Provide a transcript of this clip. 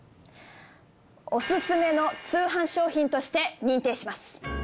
オススメの通販商品として認定します。